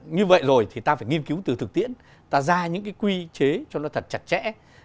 như vậy rồi thì ta phải nghiên cứu từ thực tiễn ta ra những cái quy chế cho nó thật chặt chẽ